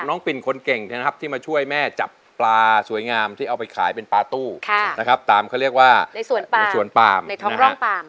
น้องปิ่นคนเก่งที่มาช่วยแม่จับปลาสวยงามที่เอาไปขายเป็นปลาตู้ตามเขาเรียกว่าในสวนปาล์มในท้องร่องปาล์ม